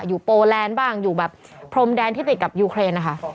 โปแลนด์บ้างอยู่แบบพรมแดนที่ติดกับยูเครนนะคะ